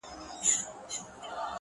زه سم پء اور کړېږم ستا په محبت شېرينې _